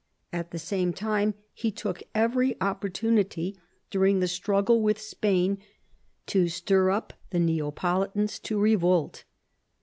At the same time he took every opportunity during the struggle with Spain to stir up the Neapolitans to revolt.